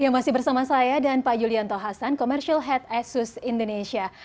masih bersama saya dan pak yulianto hasan commercial head asus indonesia